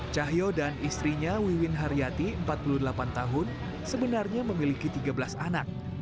cahyo dan istrinya wiwin haryati empat puluh delapan tahun sebenarnya memiliki tiga belas anak